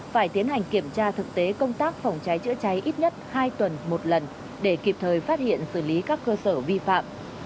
phải tiến hành kiểm tra thực tế công tác phòng cháy chữa cháy ít nhất hai tuần một lần để kịp thời phát hiện xử lý các cơ sở vi phạm